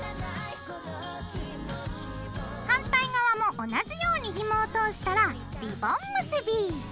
反対側も同じようにひもを通したらリボン結び。